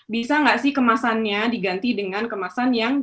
bisa nggak sih kemasannya diganti dengan kemasan yang